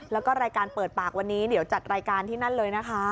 แล้วก็รายการเปิดปากวันนี้เดี๋ยวจัดรายการที่นั่นเลยนะคะ